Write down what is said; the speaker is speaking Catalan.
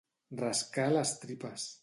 Rascar les tripes.